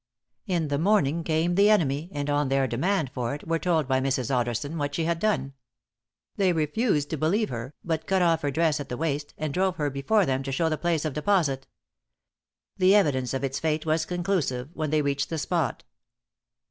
In the morning came the enemy, and on their demand for it, were told by Mrs. Otterson what she had done. They refused to believe her, but cut off her dress at the waist, and drove her before them to show the place of deposit. The evidence of its fate was conclusive, when they reached the spot.